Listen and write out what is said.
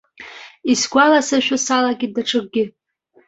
Исгәаласыршәо салагеит даҽакгьы.